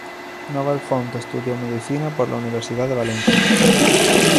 Noval Font estudió Medicina por la Universidad de Valencia.